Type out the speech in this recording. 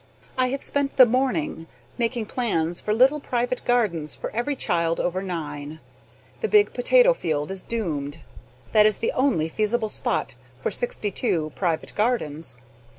I have spent the morning making plans for little private gardens for every child over nine. The big potato field is doomed. That is the only feasible spot for sixty two private gardens.